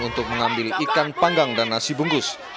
untuk mengambil ikan panggang dan nasi bungkus